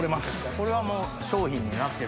これはもう商品になってる？